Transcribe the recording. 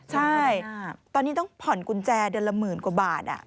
ใช่ตอนนี้ต้องผ่อนกุญแจเดือนละหมื่นกว่าบาท